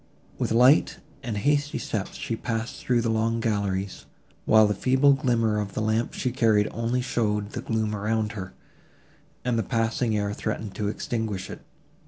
With light and hasty steps she passed through the long galleries, while the feeble glimmer of the lamp she carried only showed the gloom around her, and the passing air threatened to extinguish it.